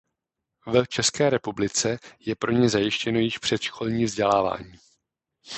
V České republice je pro ně zajištěno již předškolní vzdělávání.